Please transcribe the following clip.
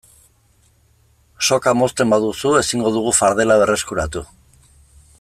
Soka mozten baduzu ezingo dugu fardela berreskuratu.